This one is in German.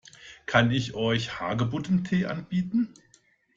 Kann ich euch Hagebuttentee anbieten?